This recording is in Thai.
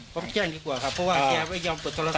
ผมแจ้งดีกว่าครับเพราะว่าแกไม่ยอมเปิดโทรศั